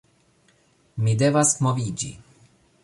Mi devas moviĝi